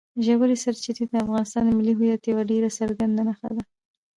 ژورې سرچینې د افغانستان د ملي هویت یوه ډېره څرګنده نښه ده.